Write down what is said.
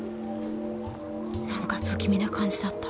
何か不気味な感じだった。